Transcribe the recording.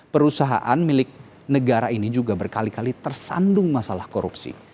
perusahaan milik negara ini juga berkali kali tersandung masalah korupsi